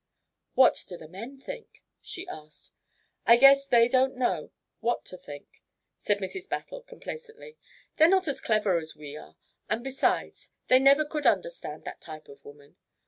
"What do the men think?" she asked. "I guess they don't know what to think," said Mrs. Battle complacently. "They're not as clever as we are, and besides, they never could understand that type of woman.